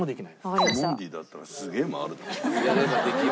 ティモンディだったらすげえ回る。